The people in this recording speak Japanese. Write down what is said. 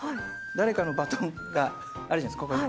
誰かのバトンがあるじゃないですか、ここに。